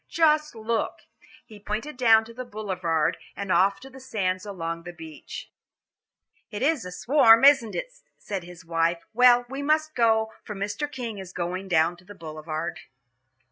Just look!" he pointed down to the Boulevard and off to the sands along the beach. "It is a swarm, isn't it?" said his wife. "Well, we must go, for Mr. King is going down to the Boulevard."